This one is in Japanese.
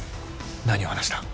何を話した？